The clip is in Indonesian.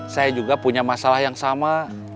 saya juga punya masalah yang sama